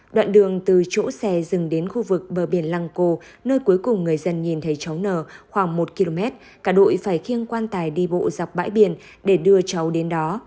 đoạn đường từ chỗ xe dừng đến khu vực bờ biển lăng cô nơi cuối cùng người dân nhìn thấy cháu n khoảng một km cả đội phải khiêng quan tài đi bộ dọc bãi biển để đưa cháu đến đó